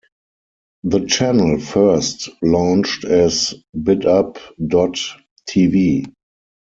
The channel first launched as "Bid-Up dot tv".